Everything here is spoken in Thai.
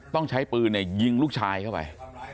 ต้องใช้ปืนยิงลูกชายเข้าไป